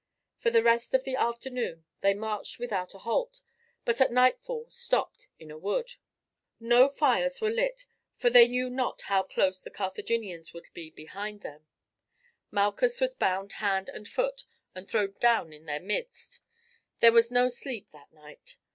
For the rest of the afternoon they marched without a halt, but at nightfall stopped in a wood. No fires were lit, for they knew not how close the Carthaginians might be behind them. Malchus was bound hand and foot and thrown down in their midst. There was no sleep that night.